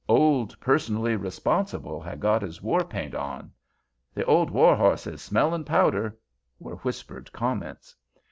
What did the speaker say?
"Old 'Personally Responsible' had got his war paint on," "The Old War Horse is smelling powder," were whispered comments.